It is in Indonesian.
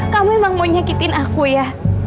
kamu emang mau nyakitin aku ya